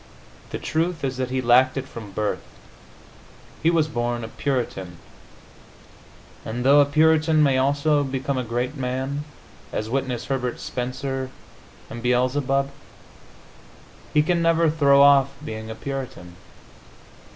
The truth is that he lacked it from birth; he was born a Puritan and though a Puritan may also become a great man (as witness Herbert Spencer and Beelzebub), he can never throw off being a Puritan.